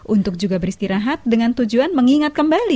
untuk juga beristirahat dengan tujuan mengingat kembali